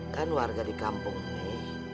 kan warga di kampung ini